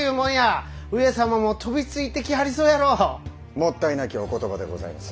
もったいなきお言葉でございます。